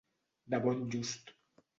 De bon just.